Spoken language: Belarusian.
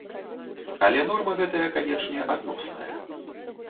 Але норма гэтая, канечне, адносная.